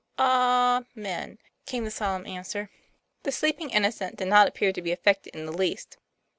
"A men," came the solemn answer. The sleep ing innocent did not appear to be affected in the least.